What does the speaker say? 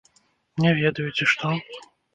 Не ведаю, ці што?